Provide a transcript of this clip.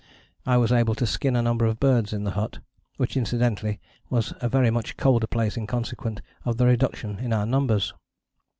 I was able to skin a number of birds in the hut; which, incidentally, was a very much colder place in consequence of the reduction in our numbers.